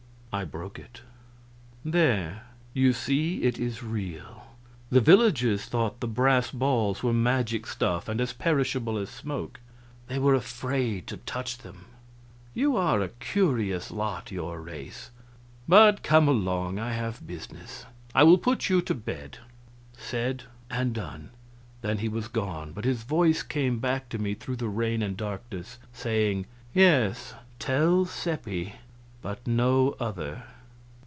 I broke it. "There you see it is real. The villagers thought the brass balls were magic stuff and as perishable as smoke. They were afraid to touch them. You are a curious lot your race. But come along; I have business. I will put you to bed." Said and done. Then he was gone; but his voice came back to me through the rain and darkness saying, "Yes, tell Seppi, but no other."